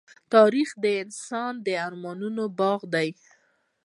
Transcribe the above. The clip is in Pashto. تاریخ د انسان د ارمانونو باغ دی.